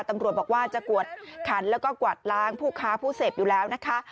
ตำรวจบอกว่าจะกวดขันแล้วก็กวาดล้างผู้ค้าผู้เสพอยู่แล้วนะคะ